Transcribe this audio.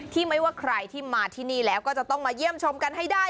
ไม่ว่าใครที่มาที่นี่แล้วก็จะต้องมาเยี่ยมชมกันให้ได้